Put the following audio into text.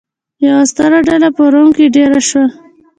یوه ستره ډله په روم کې دېره شوه.